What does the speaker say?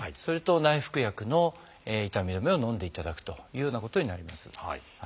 それと内服薬の痛み止めをのんでいただくというようなことになります。